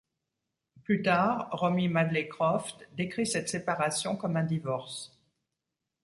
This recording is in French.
Plus tard, Romy Madley-Croft décrit cette séparation comme un divorce.